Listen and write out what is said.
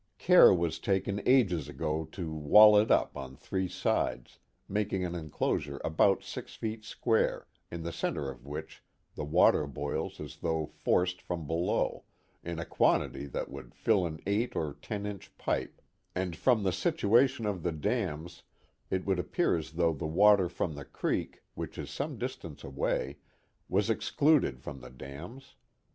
Care was taken ages ago to wall it up on three sides, making an enclosure about six feet square, in the center of which the water boils as though forced from below, in a quantity that would fill an eight or ten inch pipe, and from the situation of the dams it would appear as though the water from the creek, which is some distance away, was excluded from the dams.